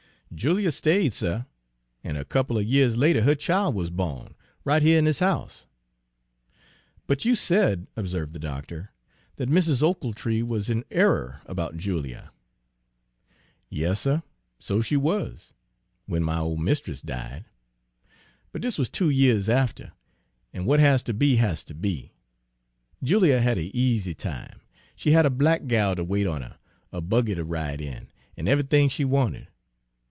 "Julia stayed, suh, an' a couple er years later her chile wuz bawn, right here in dis house." "But you said," observed the doctor, "that Mrs. Ochiltree was in error about Julia." "Yas, suh, so she wuz, w'en my ole mist'ess died. But dis wuz two years after, an' w'at has ter be has ter be. Julia had a easy time; she had a black gal ter wait on her, a buggy to ride in, an' eve'ything she wanted.